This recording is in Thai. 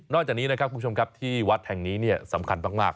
นอกจากนี้นะครับคุณผู้ชมที่วัดแห่งนี้เนี่ยสำคัญมาก